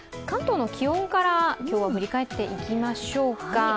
関東の気温から今日は振り返っていきましょうか。